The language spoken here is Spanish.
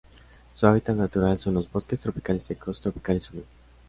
Su hábitat natural son los bosques tropicales secos, tropicales húmedos.